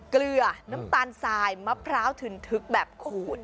เกลือน้ำตาลทรายมะพร้าวถึนทึกแบบขูด